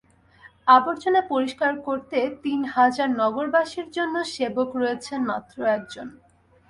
আবর্জনা পরিষ্কার করতে তিন হাজার নগরবাসীর জন্য সেবক রয়েছেন মাত্র একজন।